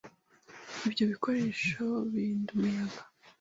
Ibyo bikoresho birinda umuyaga.